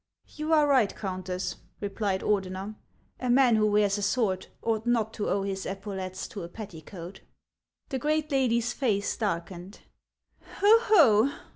" You are right, Countess," replied Ordener ;" a man who wears a sword ought not to owe his epaulettes to a petticoat." The great lady's face darkened. " Ho ! ho